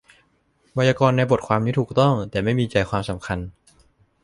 ไวยากรณ์ในบทความนี้ถูกต้อง แต่ไม่มีใจความสำคัญ